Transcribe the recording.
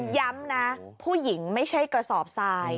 ย้ำนะผู้หญิงไม่ใช่กระสอบทราย